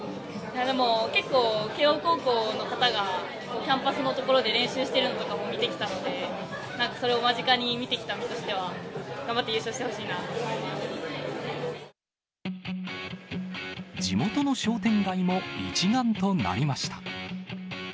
でも、結構、慶応高校の方がキャンパスの所で練習しているのとかも見てきたので、それを間近に見てきた身としては、頑張って優勝してほしいな地元の商店街も一丸となりました。